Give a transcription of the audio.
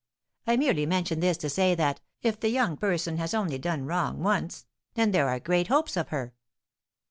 I merely mention this to say that, if the young person has only done wrong once, then there are great hopes of her."